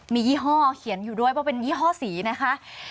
มียี่ห้อเขียนอยู่ด้วยว่าเป็นยี่ห้อสีนะคะ